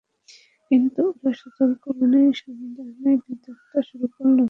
কিন্তু ওরা সতর্কবাণী সম্বন্ধে বিতণ্ডা শুরু করল।